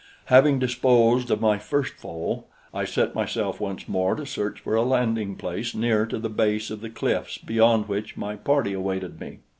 Having disposed of my first foe, I set myself once more to search for a landing place near to the base of the cliffs beyond which my party awaited me.